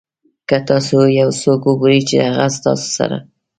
که تاسو یو څوک وګورئ چې هغه ستاسو سره.